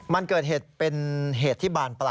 มันเกิดเหตุเป็นเหตุที่บานปลาย